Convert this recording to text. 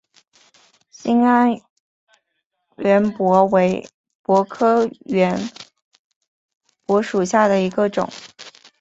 兴安圆柏为柏科圆柏属下的一个种。